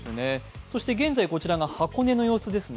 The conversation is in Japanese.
現在、こちらが箱根の様子ですね。